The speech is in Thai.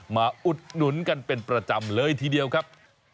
อุดหนุนกันเป็นประจำเลยทีเดียวครับ